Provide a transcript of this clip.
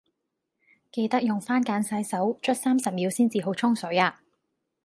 記得用番梘洗手，捽三十秒先至好沖水呀